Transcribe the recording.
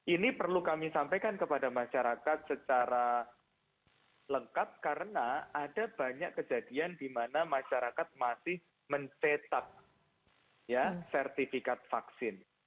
ini perlu kami sampaikan kepada masyarakat secara lengkap karena ada banyak kejadian di mana masyarakat masih mencetak sertifikat vaksin